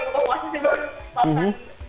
masak pedicab bersama menu